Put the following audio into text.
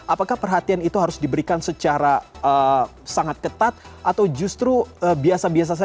apakah perhatian itu harus diberikan secara sangat ketat atau justru biasa biasa saja